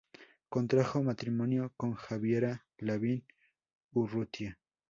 Contrajo matrimonio con Javiera Lavín Urrutia.